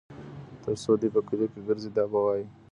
تر څو دوى په کلي کلي ګرځي دا به وايي